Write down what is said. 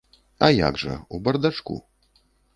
А як жа, у бардачку.